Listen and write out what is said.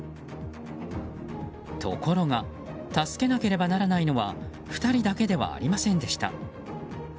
ところが助けなければならないのは２人だけではありませんでした。